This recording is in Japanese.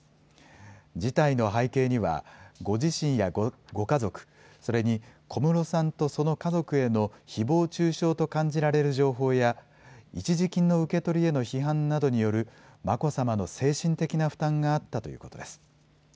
辞退の背景には、ご自身やご家族、それに小室さんと、その家族へのひぼう中傷と感じられる情報や、一時金の受け取りへの批判などによる眞子さまの精神的な負担があったということです。